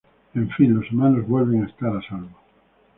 En fin, los humanos vuelven a estar a salvo.